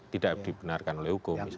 tidak dibenarkan oleh hukum